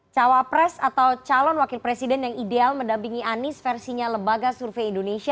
cawapres atau calon wakil presiden yang ideal mendampingi anies versinya lembaga survei indonesia